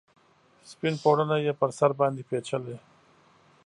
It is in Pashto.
سپین پوړنې یې پر سر باندې پیچلي